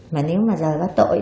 mà nếu mà giờ bắt tội